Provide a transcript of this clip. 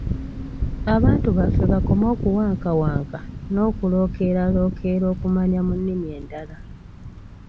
Abantu baffe bawone okuwankawanka n’okulookeralookera okumanya mu nnimi endala.